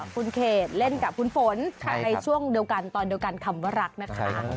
คุณเขตเล่นกับคุณฝนในช่วงเดียวกันตอนเดียวกันคำว่ารักนะคะ